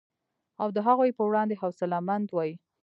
او د هغوی په وړاندې حوصله مند وي